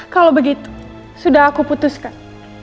kalau begitu sudah aku putuskan